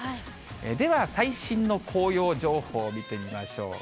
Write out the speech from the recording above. では、最新の紅葉情報を見てみましょう。